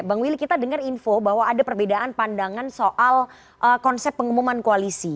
bang willy kita dengar info bahwa ada perbedaan pandangan soal konsep pengumuman koalisi